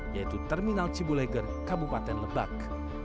yaitu terminal cibuleger kabupaten lebak